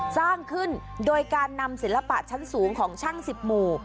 สร้างขึ้นโดยการนำศิลปะชั้นสูงของช่าง๑๐หมู่